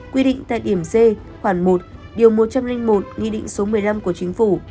quy định tại điểm c khoảng một điều một trăm linh một nghị định số một mươi năm của chính phủ